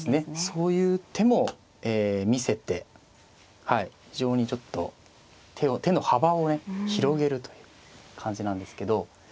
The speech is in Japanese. そういう手も見せて非常にちょっと手の幅をね広げるという感じなんですけど。